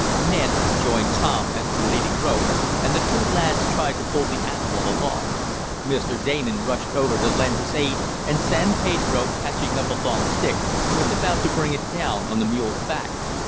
Ned joined Tom at the leading rope, and the two lads tried to pull the animal along. Mr. Damon rushed over to lend his aid, and San Pedro, catching up a long stick, was about to bring it down on the mule's back.